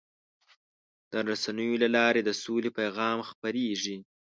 د رسنیو له لارې د سولې پیغام خپرېږي.